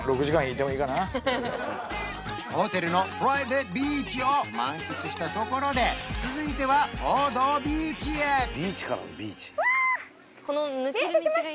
ホテルのプライベートビーチを満喫したところで続いては王道ビーチへうわ！